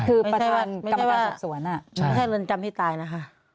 คือประธานกรรมการศักดิ์สวนไม่ใช่ว่าให้เรินจำที่ตายนะคะ